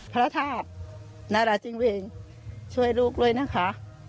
พระธาตุนาราชิงริงช่วยลูกเลยนะคะ